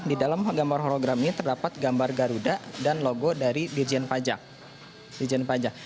di dalam gambar horrogram ini terdapat gambar garuda dan logo dari dirjen pajak